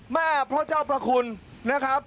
เมื้อพระเจ้าพระคุณภาค